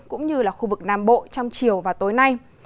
cũng như là khu vực nam bộ trong chiều và tối nay